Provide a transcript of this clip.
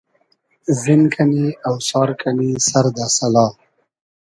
زین کئنی , اۆسار کئنی سئر دۂ سئلا